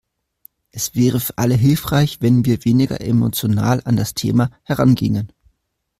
Es wäre für alle hilfreich, wenn wir weniger emotional an das Thema herangingen.